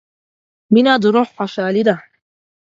• مینه د روح خوشحالي ده.